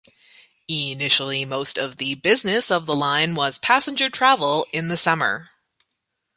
Initially most of the business of the line was passenger travel in the summer.